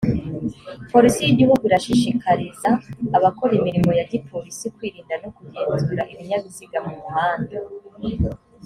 polisi y’igihugu irashishikariza abakora imirimo ya gipolisi kwirinda no kugenzura ibinyabiziga mu muhanda